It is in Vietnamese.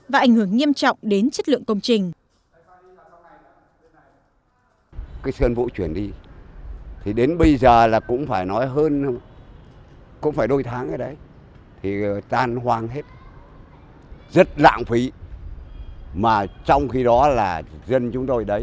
và ảnh hưởng nghiêm trọng đến chất lượng công trình